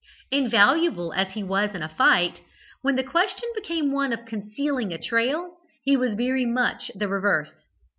Invaluable as he was in a fight, when the question became one of concealing a trail, he was very much the reverse.